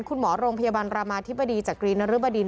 คุณหมอโรงพยาบาลรามาธิบดีจากกรีนรึบดิน